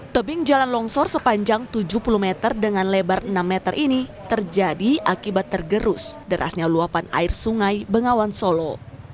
tebing jalan longsor sepanjang tujuh puluh meter dengan lebar enam meter ini terjadi akibat tergerus derasnya luapan air sungai bengawan solo